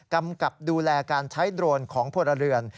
กำกับดูแลการใช้โดรนของพลเรือน